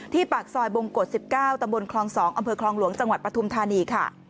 ปากซอยบงกฎ๑๙ตำบลคลอง๒อำเภอคลองหลวงจังหวัดปฐุมธานีค่ะ